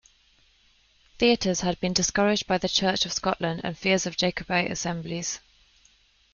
Theatres had been discouraged by the Church of Scotland and fears of Jacobite assemblies.